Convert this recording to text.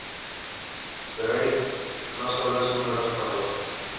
Pero Eric no solo es un veloz corredor.